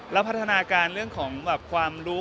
แล้วพัฒนาการเรื่องของความรู้